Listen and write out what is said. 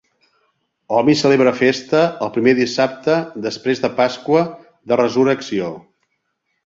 Hom hi celebra festa el primer dissabte després de Pasqua de Resurrecció.